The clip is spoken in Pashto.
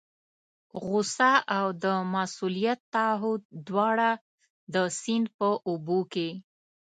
غوسه او د مسؤلیت تعهد دواړه د سیند په اوبو کې.